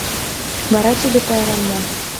Вара тиде пайрем мо?!.